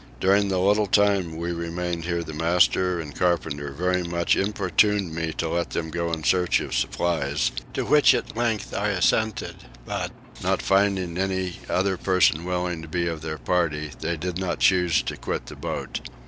During the little time we remained here the master and carpenter very much importuned me to let them go in search of supplies; to which at length I assented but, not finding any other person willing to be of their party, they did not choose to quit the boat.